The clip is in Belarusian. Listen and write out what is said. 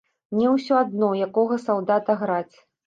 Мне ўсё адно, якога салдата граць.